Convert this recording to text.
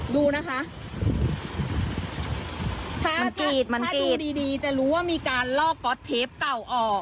ดูนะคะมันกีดมันกีดถ้าดูดีดีจะรู้ว่ามีการลอกก๊อตเทปเก่าออก